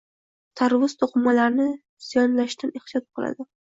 Tarvuz to’qimalarni ziyonlanishdan ehtiyot qiladi.